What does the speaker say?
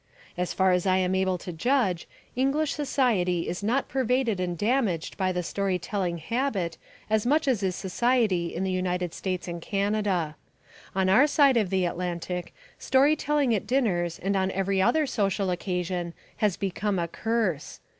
As far as I am able to judge, English society is not pervaded and damaged by the story telling habit as much as is society in the United States and Canada. On our side of the Atlantic story telling at dinners and on every other social occasion has become a curse.